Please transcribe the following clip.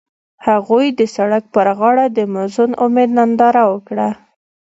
هغوی د سړک پر غاړه د موزون امید ننداره وکړه.